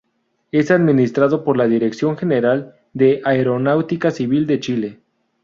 Es administrado por la Dirección General de Aeronáutica Civil de Chile.